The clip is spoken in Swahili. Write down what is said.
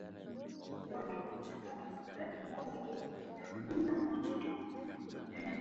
katiba ya mahakama ya makosa ya jinai inajitosheleza yenyewe